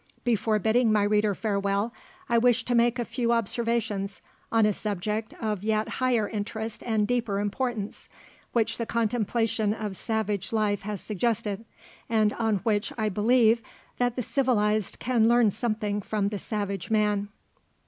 Before bidding my reader farewell, I wish to make a few observations on a subject of yet higher interest and deeper importance, which the contemplation of savage life has suggested, and on which I believe that the civilized can learn something from the savage man.